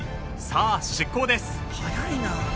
さあ出港です！